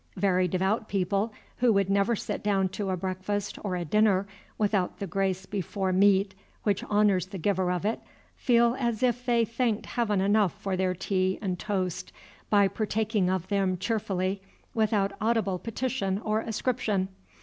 Very devout people, who would never sit down to a breakfast or a dinner without the grace before meat which honors the Giver of it, feel as if they thanked Heaven enough for their tea and toast by partaking of them cheerfully without audible petition or ascription.